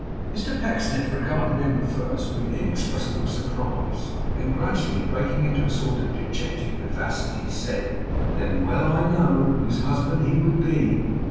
Mr Pecksniff regarded him at first with inexpressible surprise; then gradually breaking into a sort of dejected vivacity, said: 'Then well I know whose husband he would be!